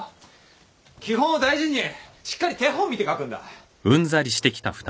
基本を大事にしっかり手本見て書くんだ。